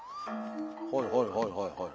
はいはいはいはいはい。